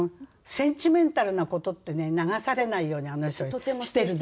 センチメンタルな事ってね流されないようにあの人してるの。